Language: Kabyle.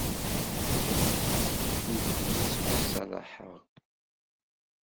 Ur kent-ssemṣalaḥeɣ.